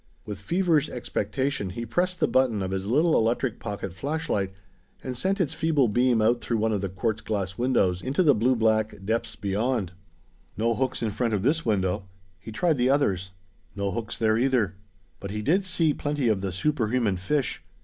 With feverish expectation, he pressed the button of his little electric pocket flashlight, and sent its feeble beam out through one of the quartz glass windows into the blue black depths beyond. No hooks in front of this window. He tried the others. No hooks there, either. But he did see plenty of the superhuman fish.